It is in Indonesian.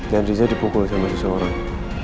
dan riza dipukul sama seseorang